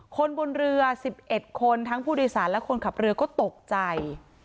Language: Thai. คนบนเรือ๑๑คนทั้งผู้โดยสารและคนขับเรือก็ตกใจ